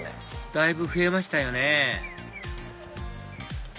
だいぶ増えましたよね